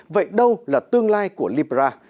vậy đâu là tương lai của libra